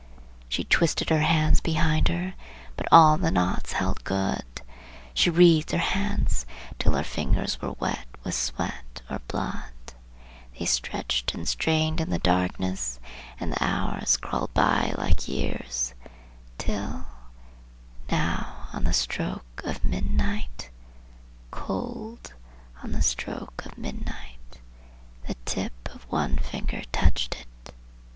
She twisted her hands behind her, but all the knots held good! She writhed her hands till her fingers were wet with sweat or blood! They stretched and strained in the darkness, and the hours crawled by like years, Till, on the stroke of midnight, Cold on the stroke of midnight, The tip of one finger touched it!